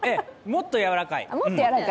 もっとやわらかい！